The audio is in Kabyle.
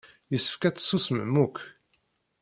Yessefk ad tsusmem akk.